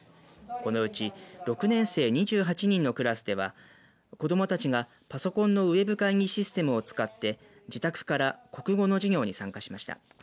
このうち６年生２８人のクラスでは子どもたちがパソコンのウェブ会議システムを使って自宅から国語の授業に参加しました。